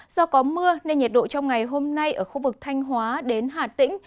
do có mưa nên nhiệt độ trong ngày hôm nay ở khu vực thanh hóa đến hà tĩnh